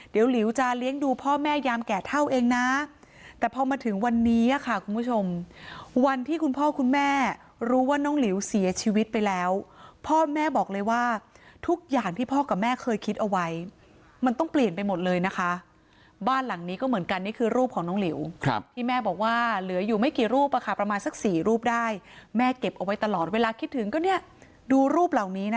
เดี๋ยวหลิวจะเลี้ยงดูพ่อแม่ยามแก่เท่าเองนะแต่พอมาถึงวันนี้ค่ะคุณผู้ชมวันที่คุณพ่อคุณแม่รู้ว่าน้องหลิวเสียชีวิตไปแล้วพ่อแม่บอกเลยว่าทุกอย่างที่พ่อกับแม่เคยคิดเอาไว้มันต้องเปลี่ยนไปหมดเลยนะคะบ้านหลังนี้ก็เหมือนกันนี่คือรูปของน้องหลิวที่แม่บอกว่าเหลืออยู่ไม่กี่รูปประมาณสัก๔รูปได้แม่เก็บเอาไว้ตลอดเวลาคิดถึงก็เนี่ยดูรูปเหล่านี้นะ